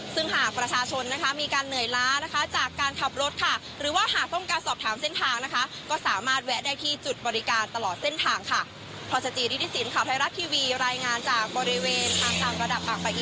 ซึ่งหากประชาชนนะคะมีการเหนื่อยล้านะคะจากการขับรถค่ะหรือว่าหากต้องการสอบถามเส้นทางนะคะก็สามารถแวะได้ที่จุดบริการตลอดเส้นทางค่ะ